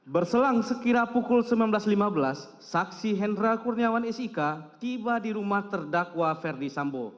berselang sekira pukul sembilan belas lima belas saksi hendra kurniawan sik tiba di rumah terdakwa ferdi sambo